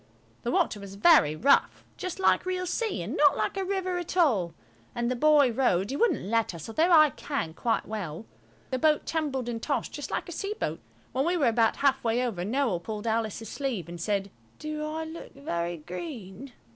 The water was very rough just like real sea, and not like a river at all. And the boy rowed; he wouldn't let us, although I can, quite well. The boat tumbled and tossed just like a sea boat. When we were about half way over, Noël pulled Alice's sleeve and said– "Do I look very green?"